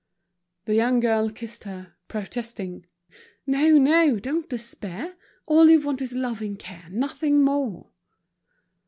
The young girl kissed her, protesting: "No, no, don't despair, all you want is loving care, nothing more."